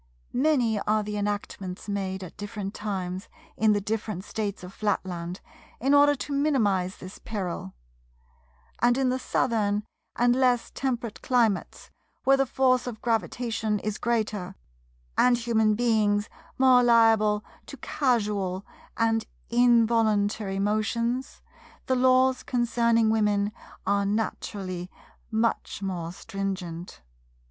Many are the enactments made at different times in the different States of Flatland, in order to minimize this peril; and in the Southern and less temperate climates, where the force of gravitation is greater, and human beings more liable to casual and involuntary motions, the Laws concerning Women are naturally much more stringent.